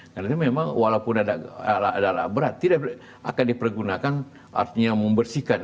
karena itu memang walaupun ada alat berat tidak akan dipergunakan artinya membersihkan